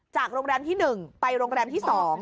จากโรงแรมที่หนึ่งไปโรงแรมที่สอง